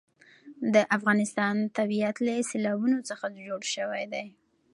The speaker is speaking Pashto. د افغانستان طبیعت له سیلابونه څخه جوړ شوی دی.